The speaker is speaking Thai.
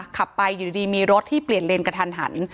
ขับไปอยู่ดีมีรถที่เปลี่ยนเลนกระทันหัน